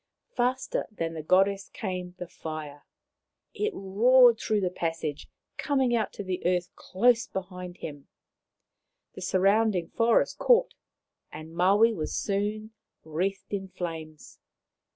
Faster than the Goddess came the fire. It roared through the passage, coming out to the earth close behind him. The surrounding forest caught, and Maui was soon wreathed in flames.